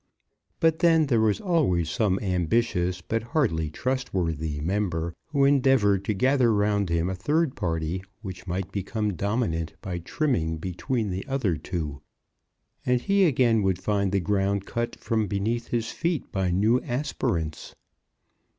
But then there was always some ambitious but hardly trustworthy member who endeavoured to gather round him a third party which might become dominant by trimming between the other two; and he again would find the ground cut from beneath his feet by new aspirants.